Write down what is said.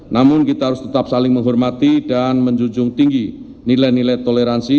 namun kita harus tetap saling menghormati dan menjunjung tinggi nilai nilai toleransi